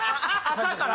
朝から？